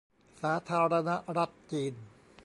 สาธารณรัฐจีน